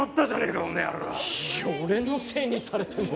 いや俺のせいにされても。